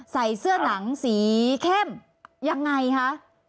ใส่เสื้อหนังสีเข้มยังไงคะ